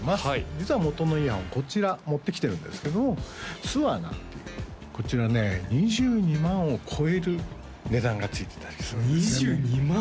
実はもとのイヤホンこちら持ってきてるんですけどもＳｖａｎａｒっていうこちらね２２万を超える値段がついてたりするんですね２２万？